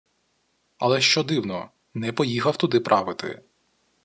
Але що дивно – не поїхав туди «правити»